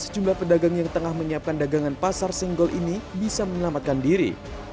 sejumlah pedagang yang tengah menyiapkan dagangan pasar singgol ini bisa menyelamatkan diri